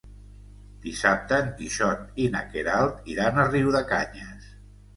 Dissabte en Quixot i na Queralt iran a Riudecanyes.